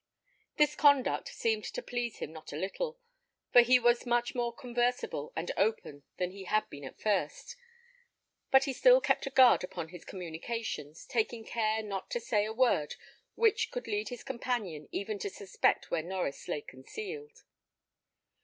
This conduct seemed to please him not a little, for he was much more conversible and open than he had been at first; but he still kept a guard upon his communications, taking care not to say a word which could lead his companion even to suspect where Norries lay concealed.